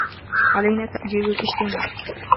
علينا تأجيل الاجتماع.